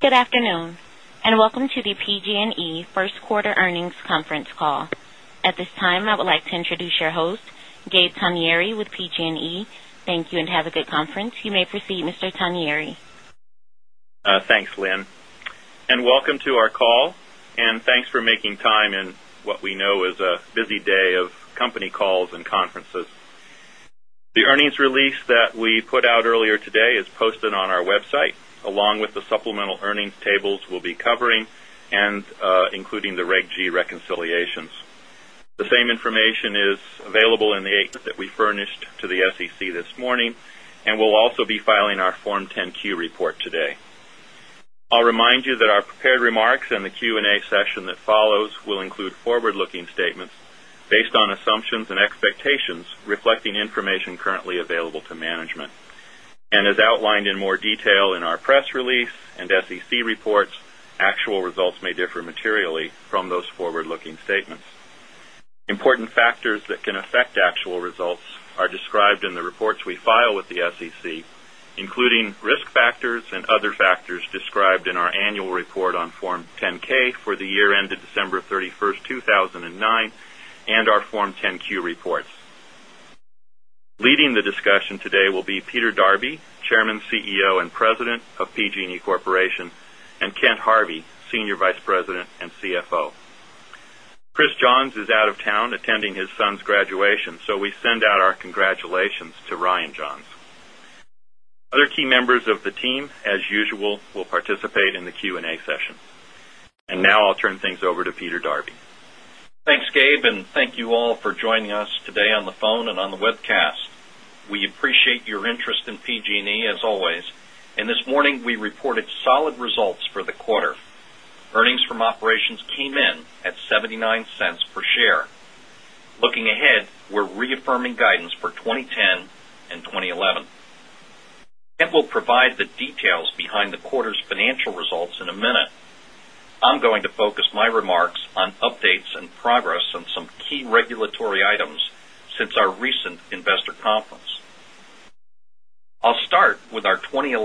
Good afternoon and welcome to the PG and E First Quarter Earnings Conference Call. At this time, I would like to introduce your host, Gabe Taniari with PG and E. Thank you and have a good conference. You may proceed, Mr. Taniari. Thanks, Lynn, and welcome to our call and thanks for making time in what we know is a busy day of company calls and conferences. The earnings release that we put out earlier today is posted on our website along with the supplemental earnings tables we'll be covering and including the Reg G reconciliations. The information is available in the today. I'll remind you that our prepared remarks and the Q and A session that follows will include forward looking statements based on assumptions and expectations reflecting information currently available to management. And as outlined in more detail in our press release and SEC reports, actual results may differ materially from those forward looking statements. Important factors that can affect actual results are described in the reports we file with the SEC, including risk factors and other factors described in our annual report on Form 10 ks for the year ended December 31, 2009 and our Form 10 Q reports. Leading the discussion today will be Peter Darby, Chairman, CEO and President of PG and E Corporation and Kent Harvey, Senior Vice President and CFO. Chris Johns is out of town attending his son's graduation. So we send out our congratulations to Ryan Johns. Other key members of the team as usual will participate in the Q and A session. And now I'll turn things over to Peter Darby. Thanks, Gabe, and thank you all for joining us today on the phone and on the webcast. We appreciate your interest in PG and E as always. And this morning, we reported solid results for the quarter. Earnings from operations came in at 0.79 dollars per share. Looking ahead, we're reaffirming guidance for 20.1011. Kent provide the details behind the quarter's financial results in a minute. I'm going to focus my remarks on updates and progress on some key key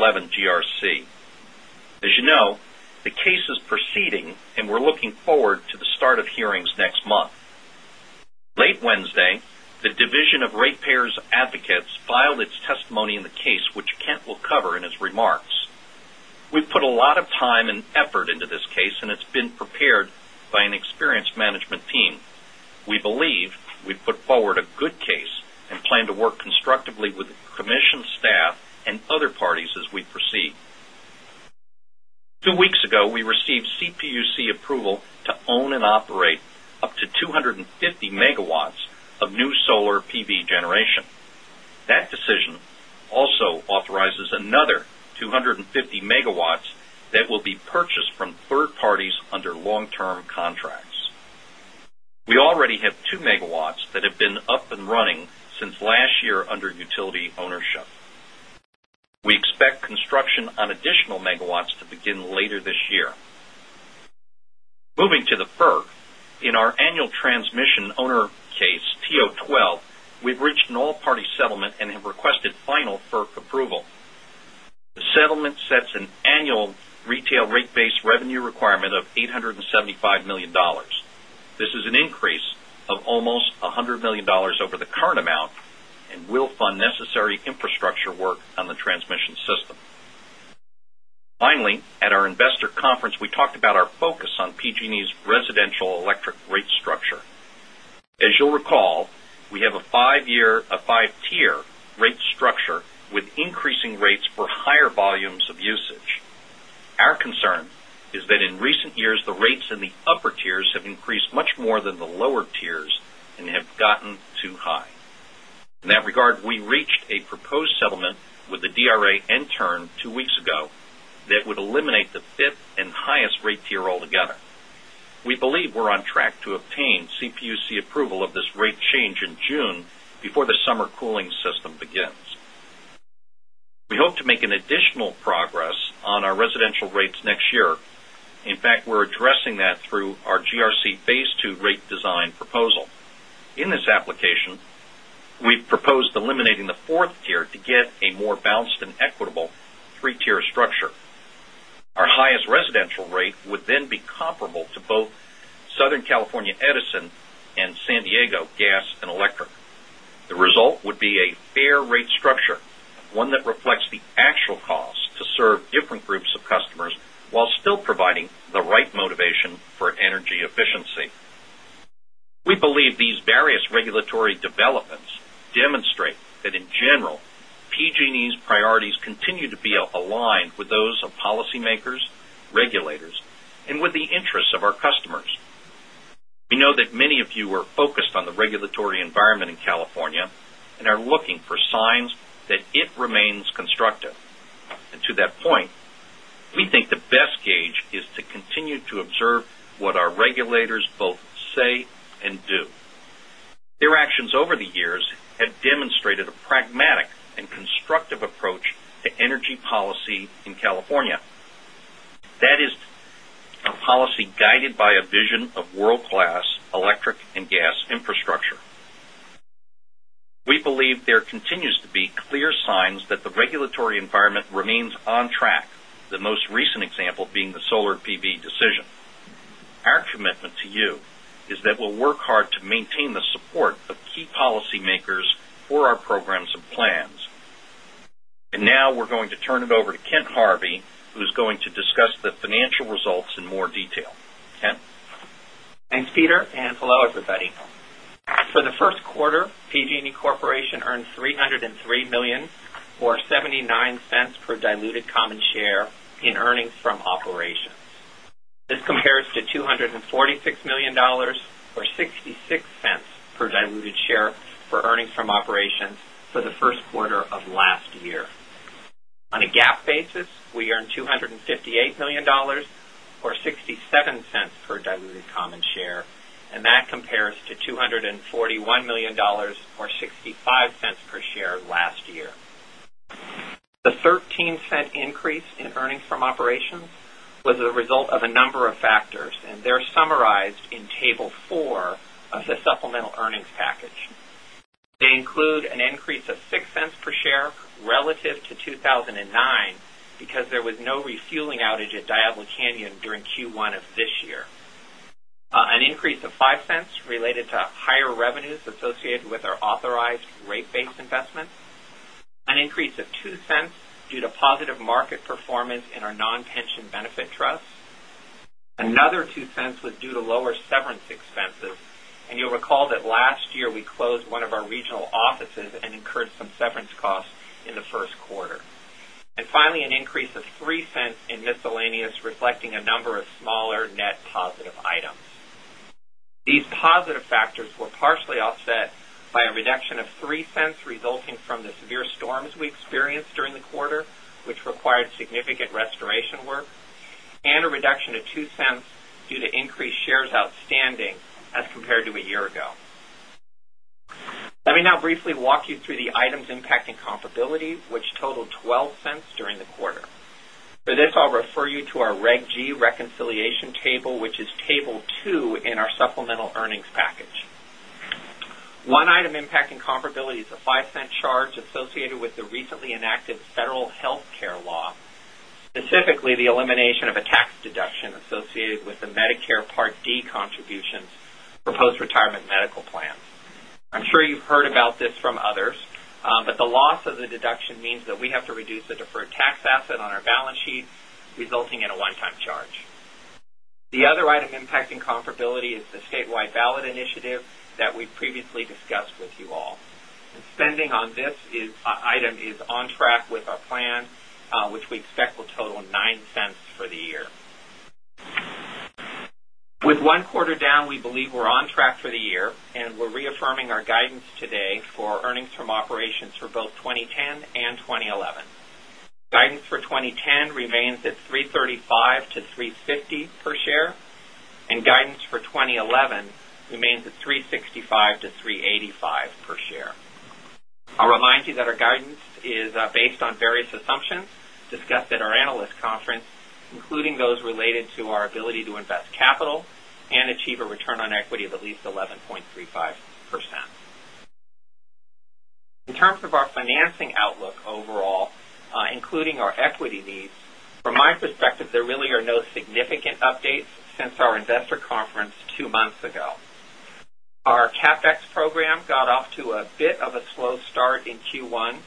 As you know, the case is proceeding and we're looking forward to the start of hearings next month. Late Wednesday, the division of ratepayers advocates filed its testimony in the case, which Kent will cover in his remarks. We've put a lot of time and effort into this case and it's been prepared by an experienced management team. We believe we put forward a good case and plan to work constructively with the commission staff and other parties as we proceed. 2 weeks ago, we received CPUC approval to own and operate up to 2 50 megawatts of new solar PV generation. That decision also authorizes another 2 50 megawatts that will be purchased from 3rd parties under long term contracts. We already have 2 megawatts that have been up and running since last year under utility ownership. We expect construction on additional megawatts to begin later this year. Moving to the FERC, in our annual transmission owner case, TO-twelve, we've reached an all party settlement and have requested final FERC approval. The settlement sets an annual retail rate based revenue requirement of 875,000,000 dollars This is an increase of almost $100,000,000 over the current amount and will fund necessary infrastructure work on the transmission system. Finally, at our investor conference, we talked about our focus on PG and E's E's increasing rates for higher volumes of usage. Our concern is that in recent years, the rates in the upper tiers have increased much more than the lower tiers and have gotten too high. In that regard, we reached a proposed settlement with the DRA intern 2 weeks ago that would eliminate the 5th and highest rate tier altogether. We believe we're on track to obtain CPUC approval of this rate change in June before the we're addressing that through our GRC Phase 2 rate design proposal. In this application, we proposed eliminating the 4th tier to get a more balanced and equitable three tier structure. Our highest residential rate would then be comparable to both Southern California Edison and San Diego Gas and Electric. The result would be a fair rate structure, one that reflects the actual cost to serve different groups of customers, while still providing the right motivation for energy efficiency. We believe these various regulatory developments demonstrate that in general, PG and E's priorities continue to be aligned with those of policymakers, regulators and with the interests of our customers. We know that many of you are focused on the regulatory environment in California and are looking for signs that it remains do. Their actions over the years have demonstrated a pragmatic and constructive approach to energy policy in California. That is a policy guided by a vision of world class electric and gas infrastructure. We believe there continues to be clear signs that the regulatory environment remains on track, the most recent example being the solar PV decision. Commitment to you is that we'll work hard to maintain the support of key policymakers for our programs and plans. And now we're going to turn it over to Kent Harvey, who's going to discuss the financial results in more detail. Kent? Thanks, Peter, and hello, everybody. For the Q1, PG and E Corporation earned $303,000,000 or $0.79 per diluted common share in earnings from operations. This compares to $246,000,000 or $0.66 per diluted share for earnings from operations for the Q1 of last year. On a GAAP basis, we earned $258,000,000 or 0.67 dollars per diluted common share and that compares to $241,000,000 or $0.65 per share last year. The $0.13 increase in earnings from operations was a result of a number of factors and they're summarized in table 4 of the supplemental earnings package. They include an increase of $0.06 per share relative to 2,009 because there was no refueling outage at Diablo Canyon during Q1 of this year. An increase of $0.05 related to higher revenues associated with our authorized rate based investments, an increase of $0.02 due to positive market performance in our non pension benefit trust, another 0 Q1. And finally, an increase of $0.03 in miscellaneous reflecting a number of smaller net positive items. These $3 resulting from the severe storms we experienced during the quarter, which required significant restoration work and a reduction of $0.02 due to increased shares outstanding as compared to a year ago. Let me now briefly walk you through the items impacting comparability, which totaled $0.12 during the quarter. For this, I'll refer you to our Reg G reconciliation table, which is table 2 in our supplemental earnings package. One item impacting comparability is a $0.05 charge associated with the recently enacted federal healthcare law, specifically the elimination of a tax deduction associated with the Medicare Part D contributions for post retirement medical plans. I'm sure you've heard about this from others, but the loss of the deduction means that we have to reduce the deferred tax asset on our balance sheet resulting in a one time charge. The other item our plan, which we expect will total $0.09 for the year. With 1 quarter down, we believe we're on track for the year and we're reaffirming our guidance today for earnings from operations for both 20 10 and 20 11. Guidance for 2010 remains at $3.35 to $3.50 per share and guidance for 20.11 remains at $3.65 to 3 $8.5 per share. I'll remind you that our guidance is based on various assumptions discussed at our analyst conference, terms of our financing outlook overall, including our equity needs, from my perspective there really are no significant updates since our investor conference 2 months ago. Our CapEx program got off to a bit of a slow start in Q1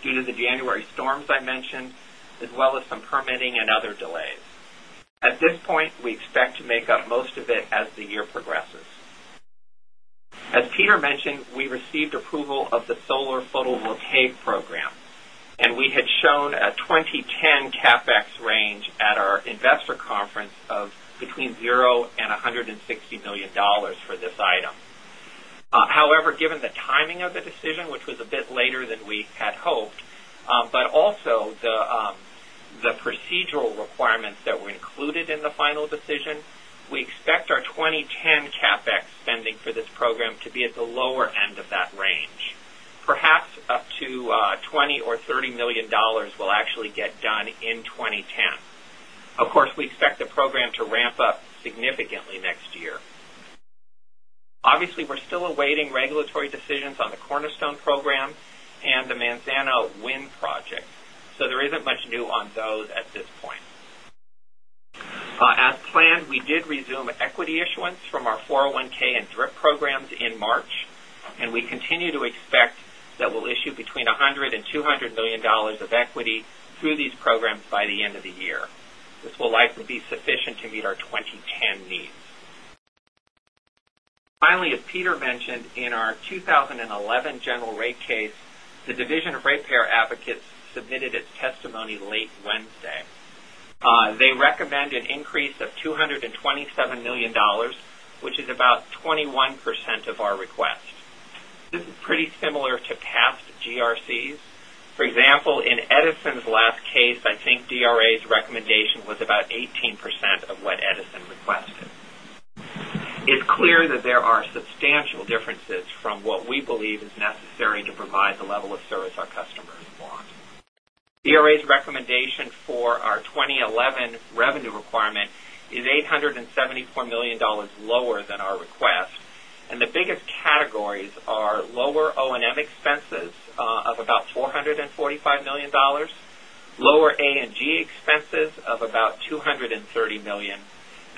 due to the January storms I mentioned as well as some permitting and other delays. At this point, we expect to make up most of it as the year progresses. As Peter mentioned, we received approval of the solar photovoltaic program and we had shown a 20.10 CapEx range at our investor conference of between $0,000,000 $160,000,000 for this item. However, given the timing of the decision, which was a bit later than we had hoped, but also the procedural requirements that were included in the final decision, we expect our 20.10 CapEx spending for this program to be at the lower end of that range, perhaps up to year. Obviously, we're still awaiting regulatory decisions on the cornerstone program and the Manzano wind project. So there isn't much new on those at this point. As planned, we did resume equity issuance from our 401 and DRIP programs in March and we continue to expect that we'll issue between $100,000,000 $200,000,000 of equity through these programs by the end of the year. This will likely be sufficient to meet our 20 20 $27,000,000 which is about 21% of our request. This is pretty similar to past GRCs. For example, in Edison's last case, I think DRA's recommendation was about 18% of what Edison requested. It's clear that there are substantial differences from what we believe is necessary to provide the level of service our customers want. CRA's recommendation for our 2011 revenue requirement is $874,000,000 lower than our request and the biggest categories are lower O and M expenses of about $445,000,000 lower A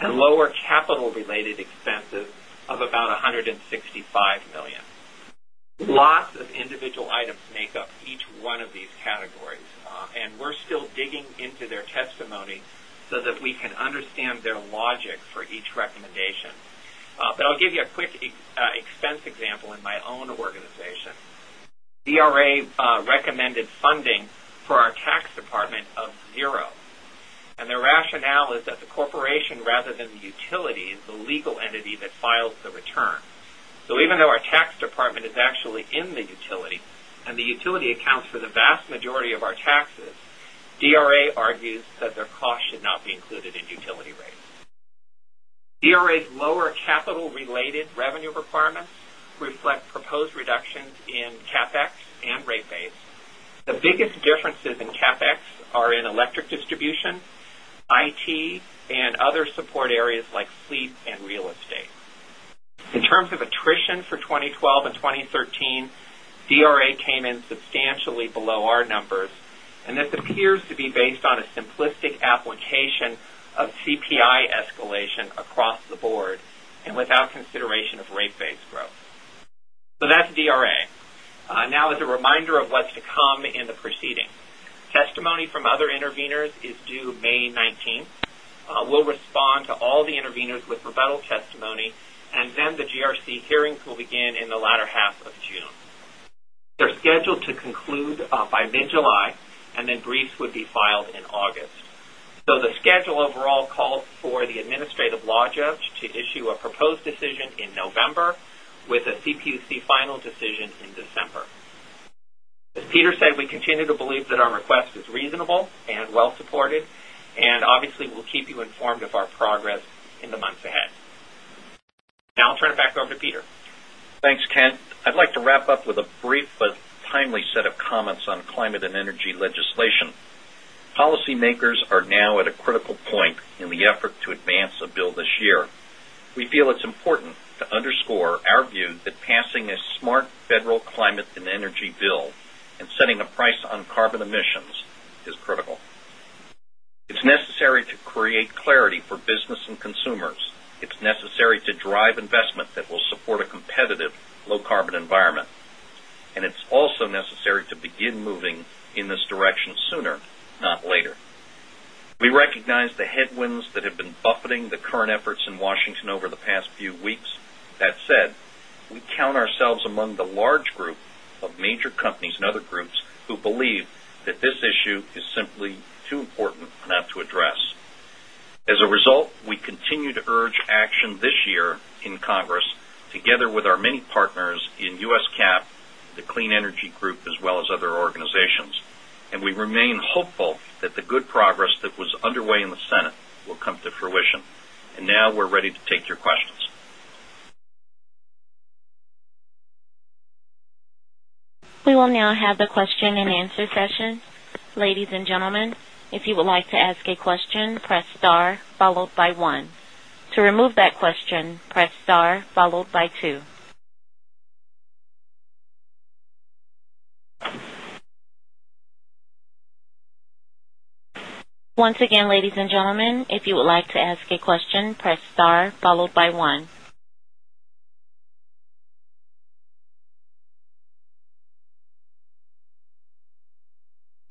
and G G of individual items make up each one of these categories. And we're still digging into their testimony so that we can understand their logic for each recommendation. But I'll give you a quick expense example in my own organization. DRA recommended funding for our tax department of 0. And the rationale is that the corporation rather than the utility is the legal entity that files the return. So even though our tax department is actually in the utility and the utility accounts for the vast majority of our taxes, DRA argues that their costs should not be included in utility rates. DRA's lower capital related revenue requirements reflect proposed reductions in CapEx and rate base. The biggest differences in CapEx are in electric distribution, IT and other support areas like fleet and real estate. In terms of attrition for 20122013, DRA came in substantially below our numbers and this appears to be based on a simplistic application of CPI escalation across the board and without consideration of rate base growth. So that's DRA. Now as as interveners with rebuttal testimony and then the GRC hearings will begin in the latter half of June. They're scheduled to conclude by mid July and then briefs would be filed in August. So the schedule overall calls for the said, we continue to believe that our request is reasonable and well supported and obviously we'll keep you informed of our progress in the months ahead. Now I'll turn it back over to Peter. Thanks, Kent. I'd like to wrap up with a brief but timely set of comments on climate and energy legislation. Policymakers are now at a critical point in the effort to advance a bill this year. We feel it's important to underscore our view that passing a smart federal climate and energy bill and setting a price on carbon emissions is critical. It's necessary to create clarity for business and consumers. It's necessary to drive investment that will support a competitive low carbon environment. And it's also necessary to begin moving in this direction sooner, not later. We recognize the headwinds that have been buffeting the current efforts in Washington over the past few weeks. That said, we count ourselves among the large group of major companies and other groups who believe that this issue is simply too important not to address. As a result, we continue to urge action this year in Congress together with our many partners in U. S. CAP, the Clean Energy Group as well as other organizations. And we remain hopeful that the good progress that was underway in the Senate will come to fruition. And now we're ready to take your cooling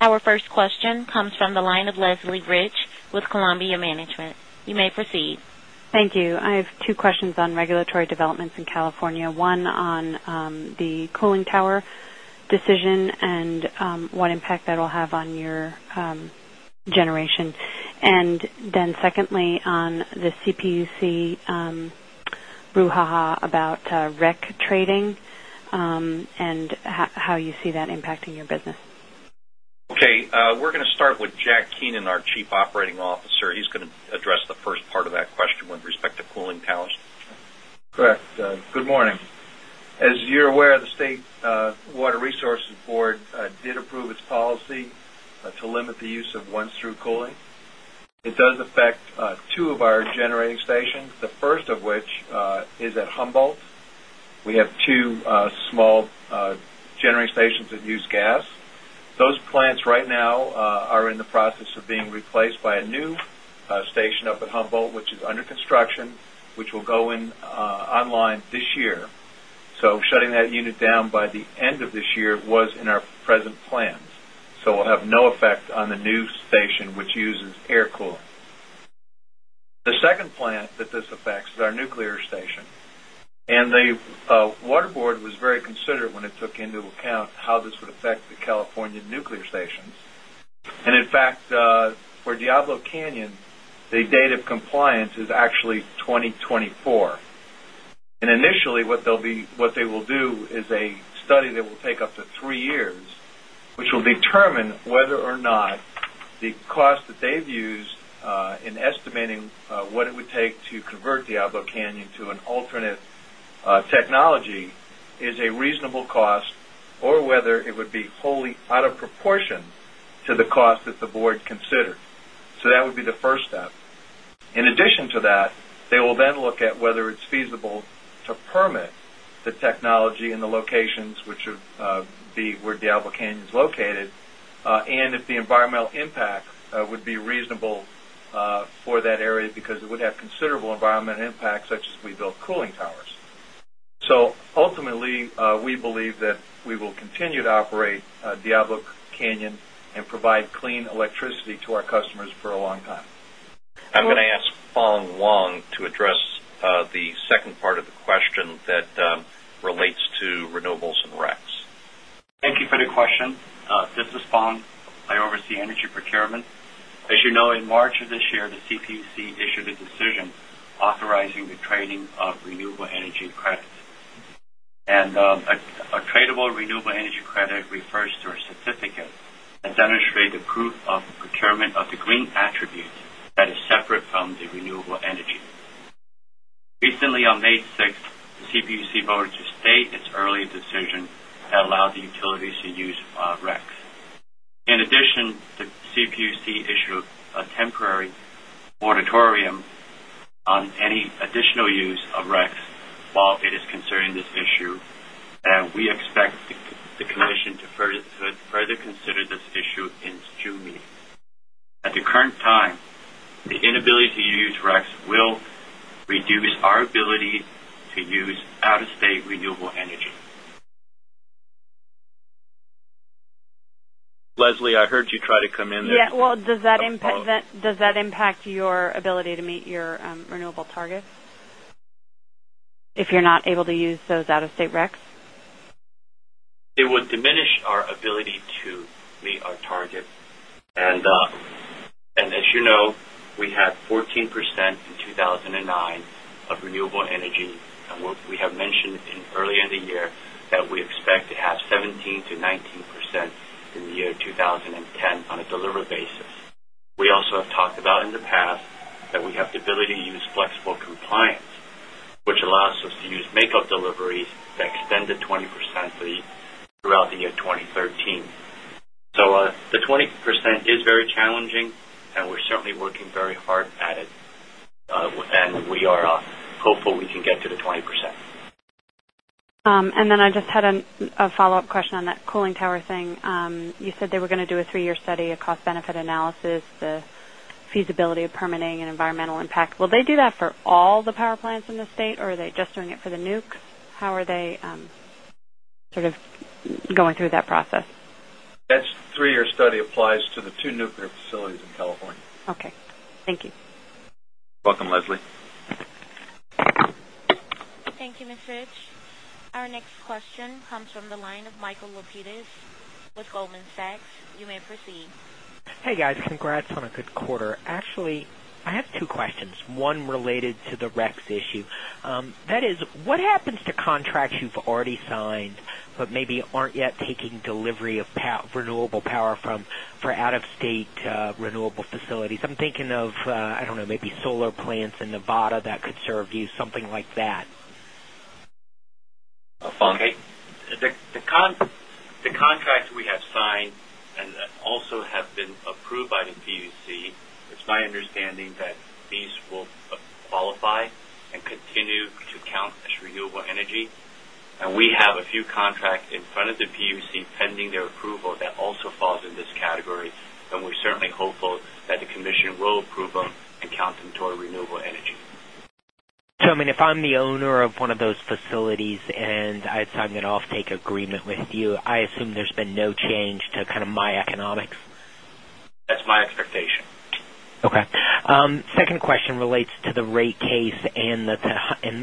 tower decision and what impact that will have on your generation? And then secondly on the CPUC brouhaha about rec trading and how you see that impacting your business? Okay. We're going to start with Jack Keenan, our Chief Operating Officer. He's going to address the first part of that question with respect to cooling towers. Correct. Good morning. As you're aware, the State Water Resources Board did approve its policy to limit the use of 1 through cooling. It does affect 2 of our generating stations, the first of which is at Humboldt. We have 2 small generating stations that use gas. Those plants right now are in the process of being replaced by a new station up at Humboldt which is under construction which will go in online this year. So shutting that unit down by the end of this year was in our present plans. So we'll have no effect on the new station which uses air cool. The second plant that this affects is our nuclear station and the waterboard was very considerate when it took into account how this would affect the California nuclear stations. And in fact, for Diablo Canyon, the date of compliance is actually 2024. And initially what they will do is a study that will take up to 3 years, which will determine whether or not the cost that they've used in estimating what it would take to convert Diablo Canyon to an alternate technology is a reasonable cost or whether it would be wholly out of proportion to the cost that the Board considered. So that would be the first step. In addition to that, they will then look at whether it's feasible to permit the technology environmental impact would be reasonable for that area because it would have considerable environmental impact such as we build cooling towers. So ultimately, we believe that we will continue to to part of the question that relates to renewables and RECs. Thank you for the question. This is Fang. I oversee energy procurement. As you know, in March of this year, the CPC issued a decision authorizing the trading of renewable energy credits. And a tradable renewable energy credit refers to a certificate that demonstrate the proof of procurement of the green attribute that is separate from the renewable energy. Recently, on May 6, the CPUC voted to state its early decision that that REx while it is concerning this issue and we expect the commission to further consider this issue in its June meeting. At the current time, the inability to use REx will reduce our ability to use out of state renewable energy. Leslie, I heard you try to come in there. Yes. Well, does that impact your ability to meet your renewable targets if you're not able to use those out of state REX? It would 14% in 2,009 of renewable energy and what we have mentioned earlier in the year that we expect to have 17% to 19% in the 2010 on a delivery basis. We also have talked about in the past that we have the ability to use flexible compliance, which allows us to use makeup deliveries to extend the 20% throughout the year 2013. So the 20% is very challenging and we're working very hard at it and we are hopeful we can get to the 20%. And then I just had a follow-up on that cooling tower thing. You said they were going to do a 3 year study, a cost benefit analysis, the feasibility of permitting and environmental impact. Will they do that all the power plants in the state or are they just doing it for the nuke? How are they sort of going through that process? That's 3 year study applies to the 2 nuclear facilities in California. Okay. Thank you. Welcome, Leslie. Thank you, Ms. Rich. Our next question comes from the line of Michael Lapides with Goldman Sachs. You may proceed. Hey, guys. Congrats a good quarter. Actually, I have two questions. One related to the REX issue. That is what happens to contracts you've already signed, but maybe aren't yet taking delivery of renewable power from for out of state renewable facilities? I'm thinking of, I don't know, maybe solar plants in Nevada that could serve you something like that? Fang? The contract we have signed and also have been approved by the PUC, it's my understanding that these will qualify and continue to count as renewable energy. And we have a few contracts in front of the PUC pending their approval that also falls in this category. And we're certainly hopeful that the commission will approve them and count them toward renewable energy. So I mean, if I'm the owner of one of those facilities and I signed it off take agreement with you, I assume there's been no change to kind of my economics? That's my expectation. Okay. Second question relates to the rate case and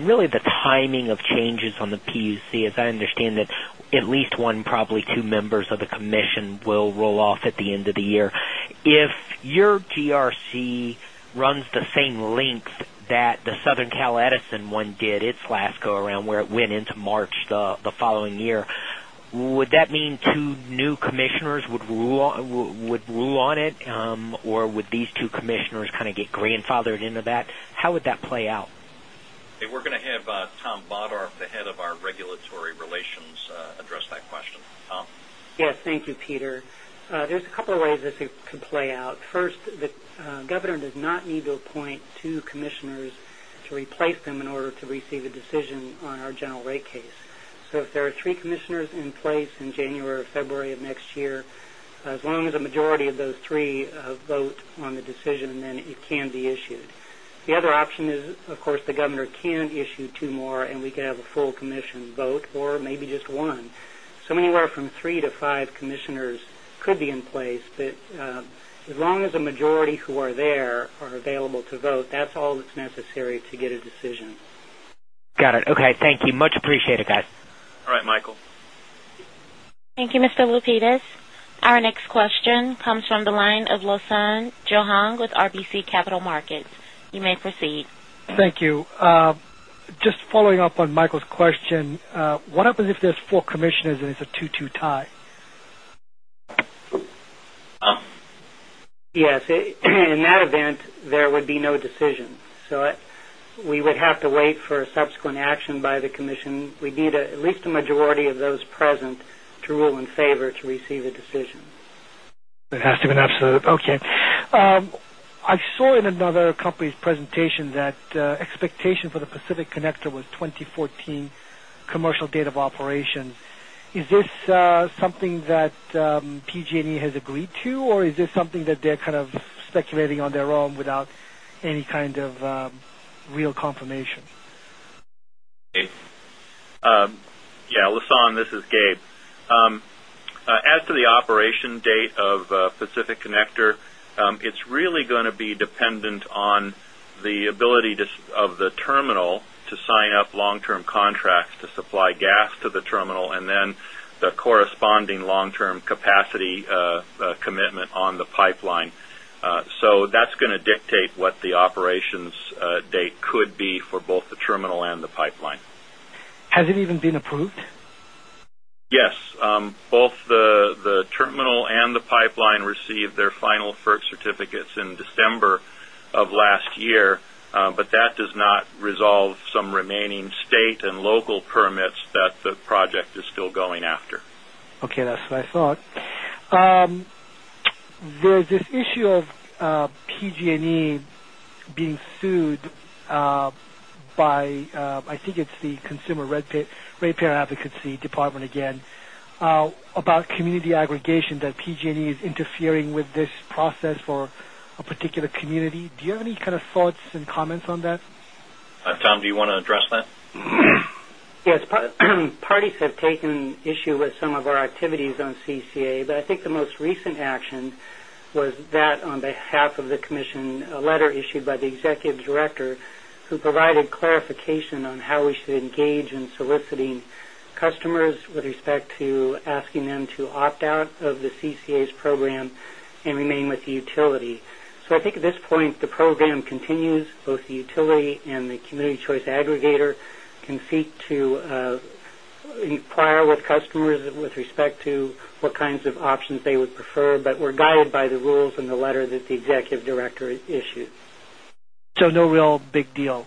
really the timing of changes on the PUC. As I understand that at least 1, probably 2 members of the commission will roll off at the end of the year. If your GRC runs the same length that the Southern Cal Edison one did its last go around where it went into March the following year. Would that mean 2 new commissioners would rule on it? Or would 2 commissioners kind of get grandfathered into that? How would that play out? We're going to have Tom Bodorf, the Head of our regulatory relations address that question. Tom? Yes. Thank you, Peter. There's a couple of ways this can play out. First, the governor does not need to appoint 2 commissioners to replace them in order to receive a decision on our general rate case. So if there are 3 commissioners in place in January or February of next year, as long as the majority of those 3 vote on the decision, then it can be issued. The other option is, of course, the governor can issue 2 more, and we can have a full commission vote or maybe just one. So anywhere from 3 to 5 necessary to get a decision. Our next question comes from the line of Lohsane Johan with RBC Capital Markets. You may proceed. Thank you. Just following up on Michael's question, what happens if there's 4 commissioners and it's a 2 two tie? Yes. In that event, there would be no decision. So we would have to wait for a subsequent action by the commission. We need at least a majority of those present to rule in favor to receive a decision. It has to be an absolute, okay. I saw in another company's presentation that expectation for the Pacific Connector was 2014 commercial date of operation. Is this something that PG and E has agreed to? Or is this something that they're kind of speculating on their own without any kind of real confirmation? Yes, Lassonde, this is Gabe. As to the operation date of Pacific Connector, it's really going to be dependent on the ability of the terminal to sign up long term contracts to supply gas to the terminal and then the corresponding long term capacity commitment on the pipeline. So that's going to dictate what the operations date could be for both the terminal and the pipeline. Has it even been approved? Yes. Both the terminal and the pipeline received their FERC certificates in December of last year, but that does not resolve some remaining state and local permits that the project is still going after. Okay. That's what I thought. There's this issue of PG and E being sued by, I think it's the consumer ratepayer advocacy department again about community aggregation that PG and E is interfering with this process for a particular community. Do you have any kind of thoughts and comments on that? Tom, do you want to address that? Yes. Parties have taken issue with some of our activities on CCA, but I think most recent action was that on behalf of the commission, a letter issued by the executive director who provided clarification on how we should engage in soliciting customers with respect to asking them to opt out of the CCA's program and remain with the utility. So I think at this point, the program continues, both the utility and the Community choice aggregator can seek to inquire with customers with respect to what kinds of options they would prefer, but we're guided by the rules in the letter that the Executive Director issued. So no real big deal?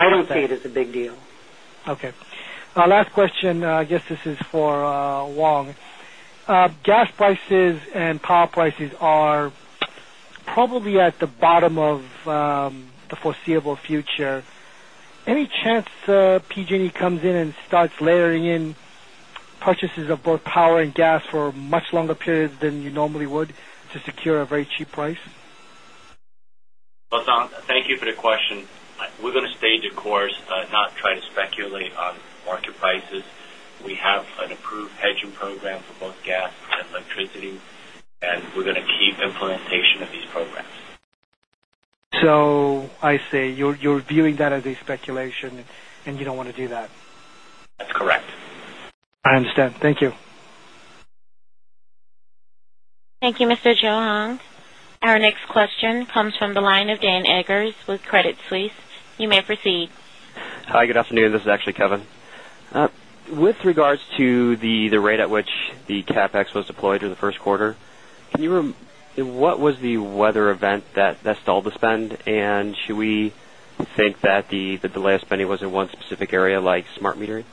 I don't see it as a big deal. Okay. Last question, I guess this is for Wang. Gas prices and power prices are probably at the bottom of the foreseeable future. Any chance PG and E comes in and starts layering in purchases of both power and gas for much longer periods than you normally would to secure a very cheap price? Well, thank you for the question. We're going to stay the course, not try to speculate market prices. We have an approved hedging program for both gas and electricity, and we're going to keep implementation of these programs. So I see you're viewing that as a speculation and you don't want to do that? That's correct. I understand. Thank you. Thank you, Mr. Zhuoheng. Our next question comes from the the regards to the rate at which the CapEx was deployed in the Q1, can you what was the weather event that stalled the spend? And should we think that the delay of spending was in one specific area like smart metering?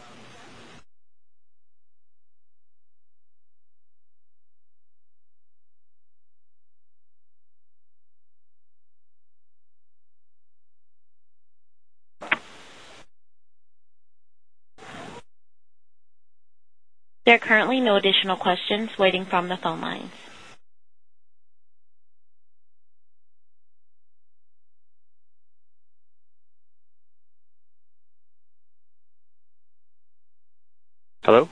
We'll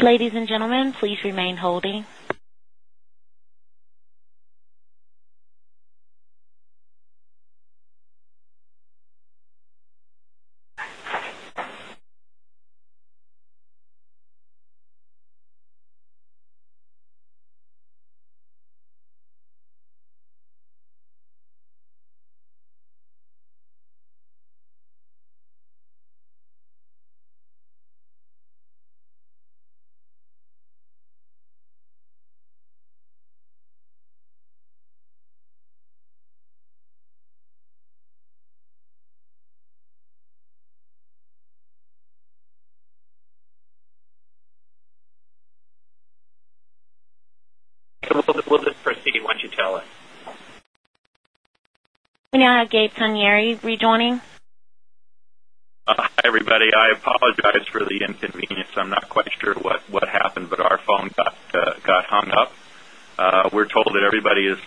just proceed once you tell us. We now have Gabe Tungari rejoining. Hi, everybody. I apologize for the inconvenience. I'm not quite sure what happened, but our phone got hung up. We're told that everybody is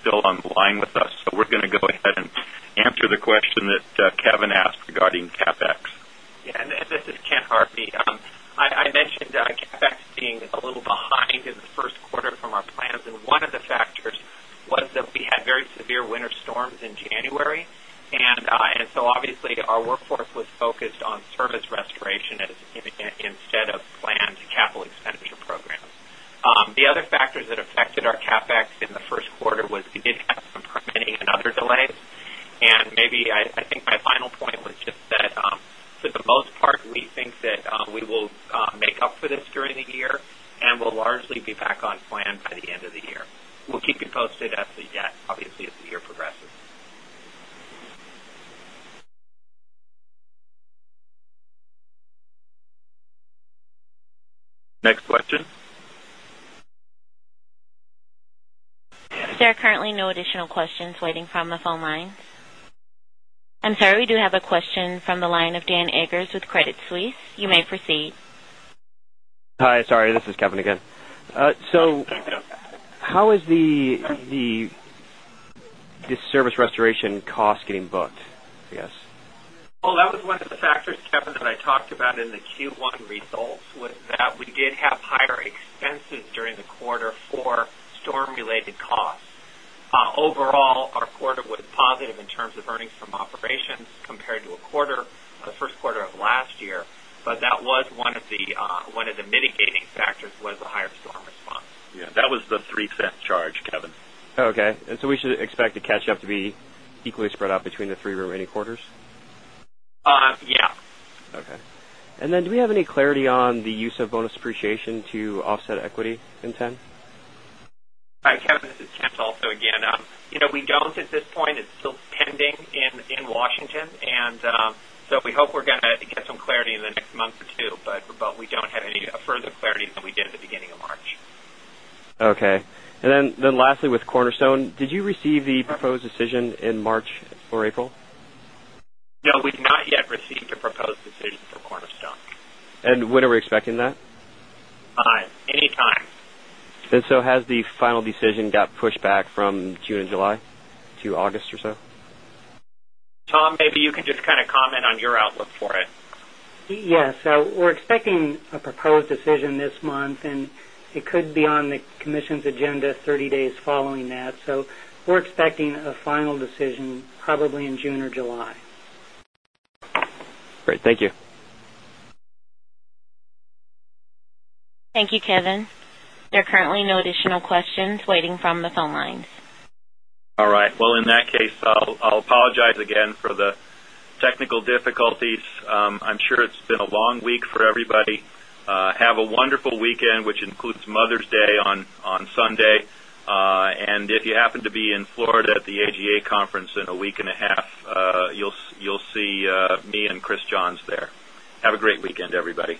still on the line with us. So we're going to go ahead and answer the question that Kevin asked regarding CapEx. Yes. And this is Kent Harvey. I mentioned CapEx being a little behind in the Q1 from our plans and of the factors was that we had very severe winter storms in January. And so obviously our workforce was focused on service restoration as instead of planned capital expenditure programs. The other factors that affected our CapEx in the Q1 was we did have some permitting and other delays. And maybe I think my final point was just that for the most part, we think that we will make up for this during the year and largely be back on plan by the end of the year. We'll keep you posted as the debt obviously as the year progresses. Next question? There are currently no additional questions waiting from the phone line. I'm sorry, we do have a question from the line of Dan Ager with Credit Suisse. You may proceed. Hi, sorry, this is Kevin again. So how is the service restoration cost getting booked, I guess? Well, that was one of the factors, Kevin, that I talked about in the Q1 results was that we did have higher expenses during the quarter for storm related costs. Overall, our quarter was positive in terms of earnings from operations compared to a quarter, Q1 of last year, but that was one of the mitigating factors was 3% charge, Kevin. Okay. And so we should expect the catch up to be equally spread out between the 3 remaining quarters? Yes. Okay. And then do we have any clarity on the use of bonus depreciation to offset equity in Penn? Kevin, this is Kent also again. We don't at this point. It's still pending in Washington. And so we hope we're going to get some clarity in the next month or 2, but we don't have any further clarity than we did at the beginning of March. Okay. And then lastly with Cornerstone, did you receive the proposed decision in March or April? No, we've not yet received a proposed decision for Cornerstone. And when are we expecting that? Anytime. And so has the final decision got pushed back from June July to August or so? Tom, maybe you can just kind of comment on your outlook for it. Yes. So we're expecting a proposed decision this month and it could be on the expecting a proposed decision this month and it could be on the commission's agenda 30 days following that. So we're expecting a final decision probably in There are currently no additional questions waiting from the phone lines. All right. Well, in that case, I'll apologize again for the technical difficulties. I'm sure it's been a long week for everybody. Have a wonderful weekend, which includes Mother's Day on Sunday. And if you happen to be in Florida at the AGA conference in a week and a half, you'll see me and Chris Johns there. Have a great weekend, everybody.